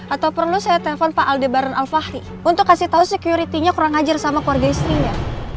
atau perlu saya telepon pak aldebaran alfahri untuk kasih tau security nya kurang hajar sama keluarga istrinya